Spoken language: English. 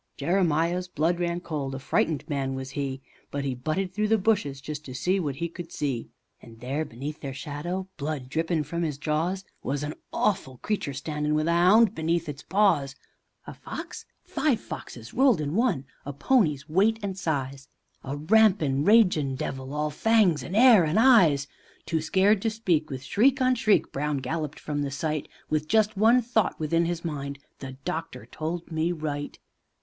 Jeremiah's blood ran cold a frightened man was 'e, But he butted through the bushes just to see what 'e could see, And there beneath their shadow, blood drippin' from his jaws, Was an awful creature standin' with a 'ound beneath its paws. A fox? Five foxes rolled in one a pony's weight and size, A rampin', ragin' devil, all fangs and 'air and eyes; Too scared to speak, with shriek on shriek, Brown galloped from the sight With just one thought within 'is mind — "The doctor told me right."